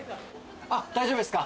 大丈夫ですか？